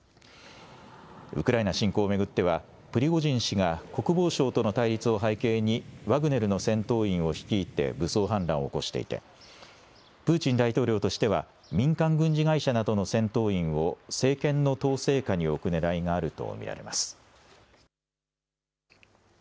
ウクライナ侵攻を巡っては、プリゴジン氏が国防省との対立を背景に、ワグネルの戦闘員を率いて武装反乱を起こしていて、プーチン大統領としては、民間軍事会社などの戦闘員を政権の統制下に置くねらいがあると見られます。